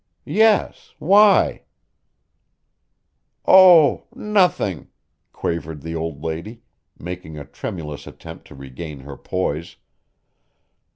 "Yes. Why?" "Oh, nothing," quavered the old lady, making a tremulous attempt to regain her poise.